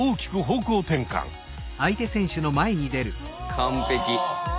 完璧。